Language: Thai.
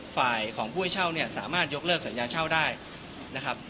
ฝ่ายของผู้ให้เช่าเนี่ยสามารถยกเลิกสัญญาเช่าได้นะครับ